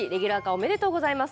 おめでとうございます！